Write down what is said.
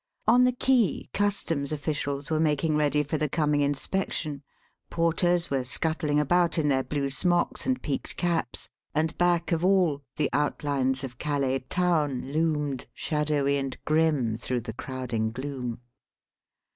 On the quay, customs officials were making ready for the coming inspection, porters were scuttling about in their blue smocks and peaked caps, and, back of all, the outlines of Calais Town loomed, shadowy and grim through the crowding gloom.